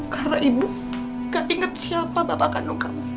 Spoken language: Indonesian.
karena ibu gak inget siapa bapak kandung kamu